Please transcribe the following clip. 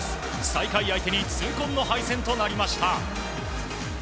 最下位相手に痛恨の敗戦となりました。